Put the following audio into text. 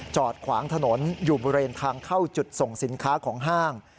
จอดขวางถนนอยู่บริเวณทางเข้าจุดส่งสินค้าของห้าง